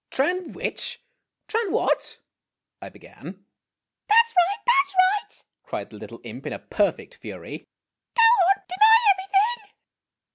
" Tran which ? Tran what ?" I be^an. o "That 's right, that 's right!" cried the little imp in a perfect fury. " Go on deny everything